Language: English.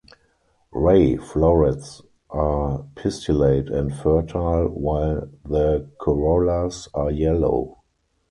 Ray florets are pistillate and fertile while the corollas are yellow.